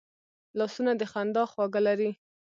لاسونه د خندا خواږه لري